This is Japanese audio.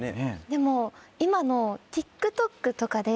でも今のＴｉｋＴｏｋとかで。